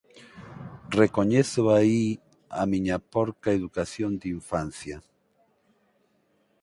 Recoñezo aí a miña porca educación de infancia.